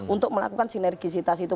untuk melakukan sinergisitas itu